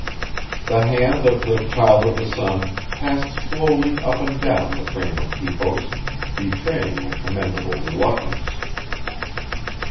The hand of the Child of the Sun passed slowly up and down the frame of quipos, betraying a commendable reluctance.